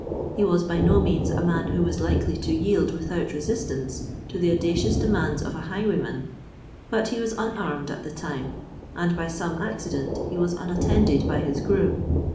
He was by no means a man who was likely to yield without resistance to the audacious demands of a highwayman; but he was unarmed at the time—and by some accident he was unattended by his groom.